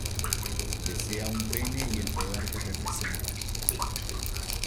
Desea un pene y el poder que representa.